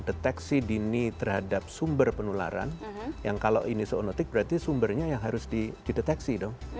deteksi dini terhadap sumber penularan yang kalau ini seonotik berarti sumbernya yang harus dideteksi dong